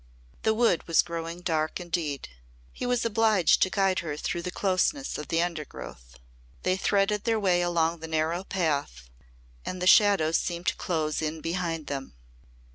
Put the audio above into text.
The Wood was growing dark indeed. He was obliged to guide her through the closeness of the undergrowth. They threaded their way along the narrow path and the shadows seemed to close in behind them.